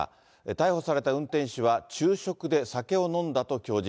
逮捕された運転手は、昼食で酒を飲んだと供述。